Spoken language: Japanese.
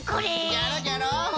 じゃろじゃろ。